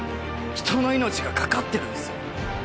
人の命がかかってるんですよ